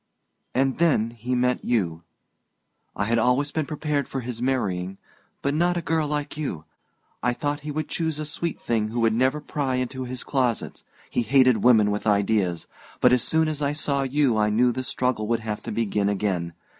"And then he met you. I had always been prepared for his marrying, but not a girl like you. I thought he would choose a sweet thing who would never pry into his closets he hated women with ideas! But as soon as I saw you I knew the struggle would have to begin again.